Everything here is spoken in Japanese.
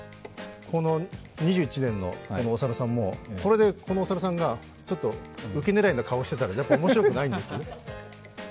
２１年のお猿さんも、これでこのお猿さんがちょっと受け狙いの顔してたら面白くないんですよ。